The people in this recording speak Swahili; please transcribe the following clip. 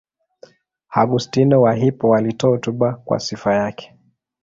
Augustino wa Hippo alitoa hotuba kwa sifa yake.